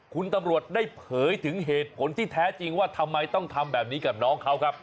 คุณตำรวจได้เผยถึงเหตุผลที่แท้จริงว่าทำไมต้องทำแบบนี้กับน้องเขาครับ